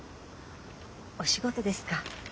お仕事ですか？